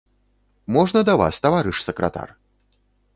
Можна да вас, таварыш сакратар?